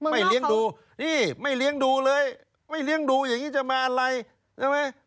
เลี้ยงดูนี่ไม่เลี้ยงดูเลยไม่เลี้ยงดูอย่างนี้จะมาอะไรใช่ไหม